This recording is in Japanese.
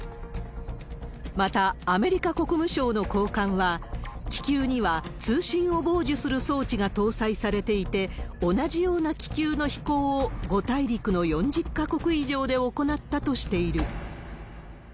また、アメリカ国務省の高官は、気球には通信を傍受する装置が搭載されていて、同じような気球の飛行を５大陸の４０か国以上で行ったとしている。